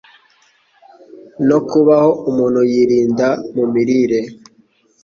no kubaho umuntu yirinda mu mirire,